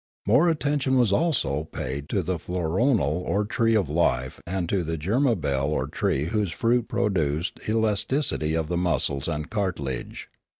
More attention was also paid to the floronal or tree of life and to the germabell or tree whose fruit produced elasticity of the muscles and cartilage.